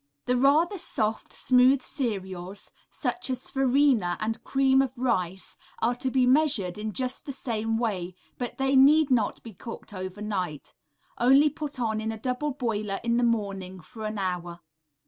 The rather soft, smooth cereals, such as farina and cream of rice, are to be measured in just the same way, but they need not be cooked overnight; only put on in a double boiler in the morning for an hour.